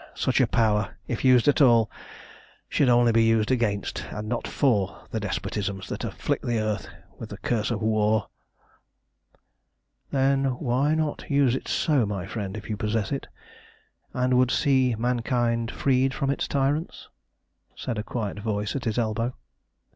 Such a power, if used at all, should only be used against and not for the despotisms that afflict the earth with the curse of war!" "Then why not use it so, my friend, if you possess it, and would see mankind freed from its tyrants?" said a quiet voice at his elbow.